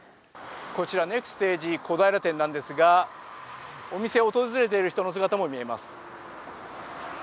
こちらネクステージ小平店なんですがお店を訪れている人の姿も見えます。